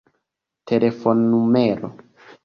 telefonnumero